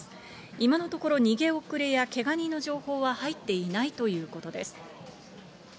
今のところ、逃げ遅れやけが人の情報は入っていないということです。